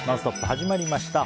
始まりました。